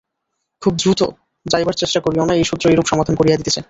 খুব দ্রুত যাইবার চেষ্টা করিও না, এই সূত্র এইরূপ সাবধান করিয়া দিতেছে।